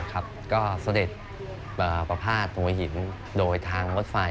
ก็เสด็จเปลือประผลาทโมหยินโดยทางรถไฟ